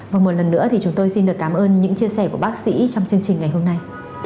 và một lần nữa thì chúng tôi xin được cảm ơn những chia sẻ của bác sĩ trong chương trình ngày hôm nay